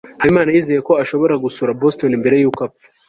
habimana yizeye ko ashobora gusura boston mbere yuko apfa